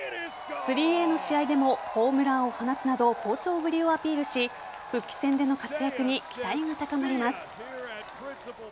３Ａの試合でもホームランを放つなど好調ぶりをアピールし復帰戦での活躍に期待が高まります。